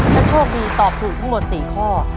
ถ้าโชคดีตอบถูกทั้งหมด๔ข้อ